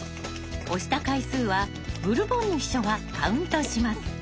押した回数はブルボンヌ秘書がカウントします。